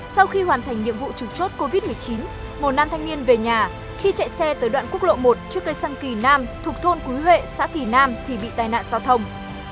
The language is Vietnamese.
sau khi hoàn thành nhiệm vụ trực chốt covid một mươi chín một nam thanh niên về nhà khi chạy xe tới đoạn quốc lộ một trước cây xăng kỳ nam thuộc thôn cúng huệ xã kỳ nam thì bị tai nạn giao thông